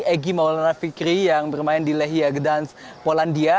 egy maulana fikri yang bermain di lehi agedans polandia